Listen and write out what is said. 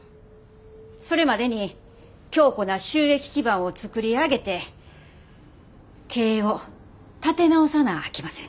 それまでに強固な収益基盤を作り上げて経営を立て直さなあきません。